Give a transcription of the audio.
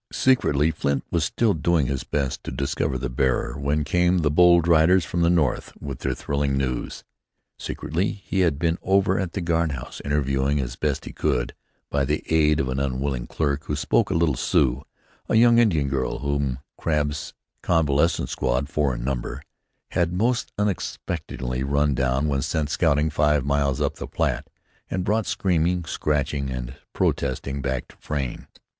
Secretly Flint was still doing his best to discover the bearer when came the bold riders from the north with their thrilling news. Secretly, he had been over at the guard house interviewing as best he could, by the aid of an unwilling clerk who spoke a little Sioux, a young Indian girl whom Crabb's convalescent squad, four in number, had most unexpectedly run down when sent scouting five miles up the Platte, and brought, screaming, scratching and protesting back to Frayne.